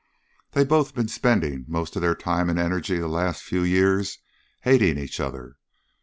They both been spending most of their time and energy the last few years hating each other.